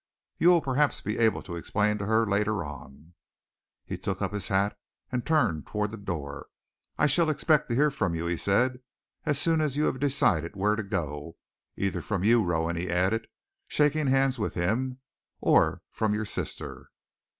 You will perhaps be able to explain to her later on." He took up his hat and turned toward the door. "I shall expect to hear from you," he said, "as soon as you have decided where to go, either from you, Rowan," he added, shaking hands with him, "or from your sister."